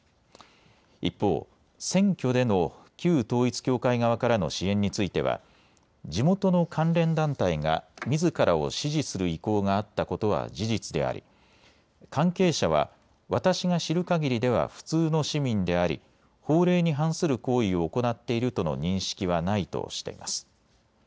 一方、選挙での旧統一教会側からの支援については地元の関連団体がみずからを支持する意向があったことは事実であり、関係者は私が知るかぎりでは普通の市民であり法令に反する行為を行っているとの認識はないとしています。